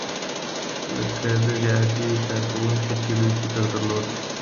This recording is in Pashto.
لکه دغې عادي کارکوونکې چې لوی فکر درلود.